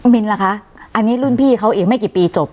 มินล่ะคะอันนี้รุ่นพี่เขาอีกไม่กี่ปีจบ